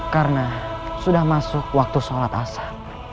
karena sudah masuk waktu sholat asal